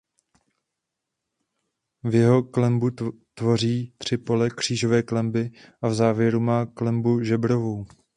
V jeho klenbu tvoří tři pole křížové klenby a v závěru má klenbu žebrovou.